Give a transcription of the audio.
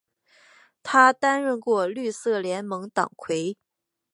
他担任过绿色联盟党魁。